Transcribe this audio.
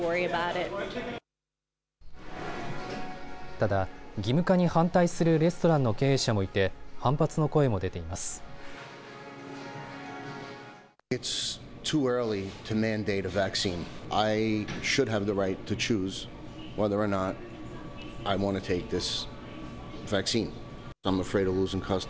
ただ、義務化に反対するレストランの経営者もいて反発の声も出ています。